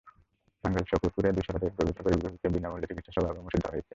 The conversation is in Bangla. টাঙ্গাইলের সখীপুরে দুই শতাধিক গরিব রোগীকে বিনা মূল্যে চিকিৎসাসেবা এবং ওষুধ দেওয়া হয়েছে।